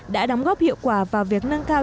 đã đóng góp hiệu quả vào việc nâng cao